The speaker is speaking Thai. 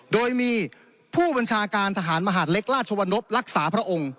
โดยมีผู้บัญชาการทหารมหาดเล็กราชวนพรักษาพระองค์